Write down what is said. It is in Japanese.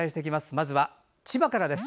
まずは千葉からです。